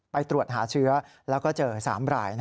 ไปตรวจหาเชื้อแล้วก็เจอ๓ราย